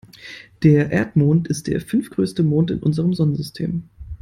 Der Erdmond ist der fünftgrößte Mond in unserem Sonnensystem.